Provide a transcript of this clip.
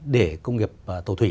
để công nghiệp tổ thủy